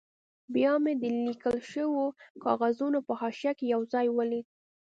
بیا مې د لیکل شوو کاغذونو په حاشیه کې یو ځای ولید.